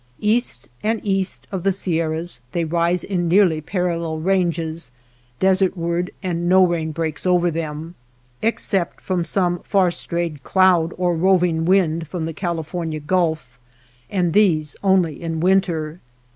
East and east of the Sierras they rise in nearly parallel ranges, desertward, and no rain breaks over them, 257 .//^^■^■' NURSLINGS OF THE SKY except from some far strayed cloud or roving wind from the California Gulf, and these only in winter.